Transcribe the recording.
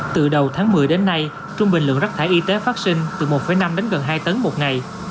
từ đầu tháng một mươi đến nay trung bình lượng rác thải y tế phát sinh từ một năm đến gần hai tấn một ngày